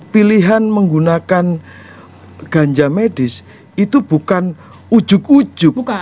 pilihan menggunakan ganja medis itu bukan ujuk ujuk